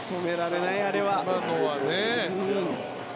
今のはね。